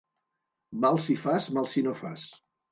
Mal si fas, mal si no fas.